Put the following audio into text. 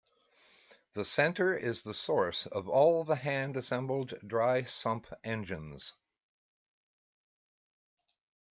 The center is the source of all the hand assembled dry sump engines.